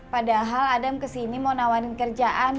padahal adam kesini mau nawarin kerjaan